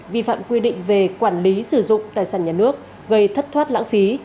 vi phạm quy định về quản lý sử dụng tài sản nhà nước gây thất thoát lãng phí